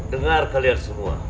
dengar kalian semua